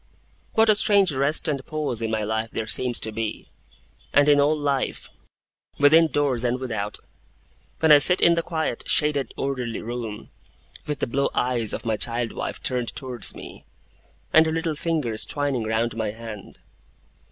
What a strange rest and pause in my life there seems to be and in all life, within doors and without when I sit in the quiet, shaded, orderly room, with the blue eyes of my child wife turned towards me, and her little fingers twining round my hand!